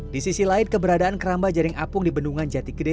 di sisi lain keberadaan keramba jaring apung di bendungan jati gede